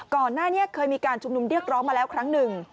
ก่อนหน้านี้เคยมีการชุมนุมเรียกร้องมาแล้วครั้งหนึ่ง